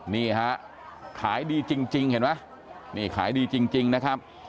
นี่ฮะขายดีจริงเห็นไหมนี่ขายดีจริงนะครับ